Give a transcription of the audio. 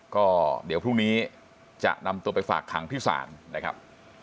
ก็เดี๋ยวพรุ่งนี้จะนำตัวไปฝากขังที่ศาลนะครับ